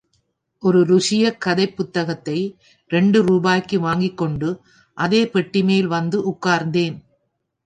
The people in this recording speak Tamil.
ஒரு ருஷியக் கதைப் புத்தகத்தை இரண்டு ரூபாய்க்கு வாங்கிக்கொண்டு அதே பெட்டிமேல் வந்து உட்கார்ந்தேன்.